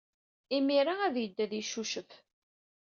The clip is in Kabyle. Imir-a ad yeddu ad yeccucef.